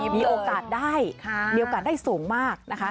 มีโอกาสได้มีโอกาสได้สูงมากนะคะ